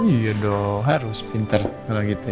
iya dong harus pinter kalau gitu ya